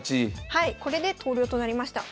はいこれで投了となりました。